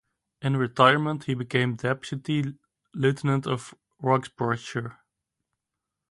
In retirement he became Deputy Lieutenant of Roxburghshire.